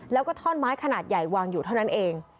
แล้วก็ท่อนไม้ขนาดใหญ่วางอยู่เท่านั้นเอง